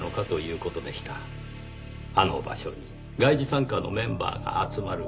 あの場所に外事三課のメンバーが集まる。